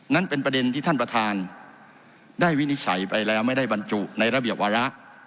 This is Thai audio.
นั่นเป็นประเด็นที่ท่านประธานได้วินิจฉัยไปแล้วไม่ได้บรรจุในระเบียบวาระ